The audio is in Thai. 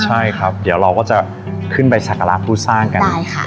ใช่ครับเดี๋ยวเราก็จะขึ้นไปศักราภูตสร้างกันได้ค่ะ